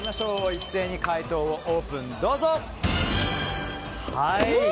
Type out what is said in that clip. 一斉に解答をオープン！